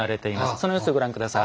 その様子をご覧下さい。